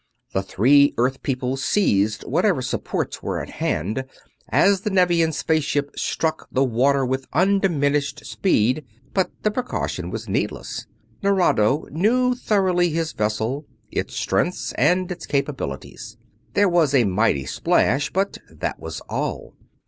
The three Earth people seized whatever supports were at hand as the Nevian space ship struck the water with undiminished speed, but the precaution was needless Nerado knew thoroughly his vessel, its strength and its capabilities. There was a mighty splash, but that was all.